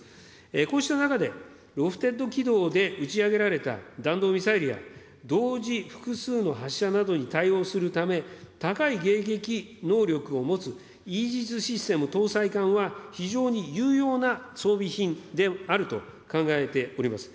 こうした中で、ロフテッド軌道で打ち上げられた弾道ミサイルや、同時複数の発射などに対応するため、高い迎撃能力を持つ、イージス・システム搭載艦は、非常に有用な装備品であると考えております。